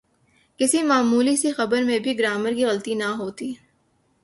کسی معمولی سی خبر میں بھی گرائمر کی غلطی نہ ہوتی۔